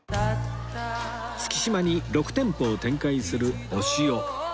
月島に６店舗を展開するおしお